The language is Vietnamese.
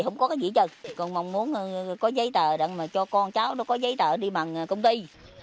không có gì hết trơn còn mong muốn có giấy tờ để cho con cháu có giấy tờ đi bằng công ty